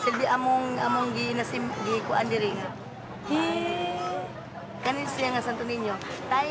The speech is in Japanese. へえ。